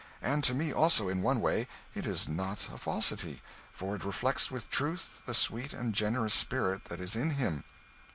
And to me, also, in one way, it is not a falsity, for it reflects with truth the sweet and generous spirit that is in him."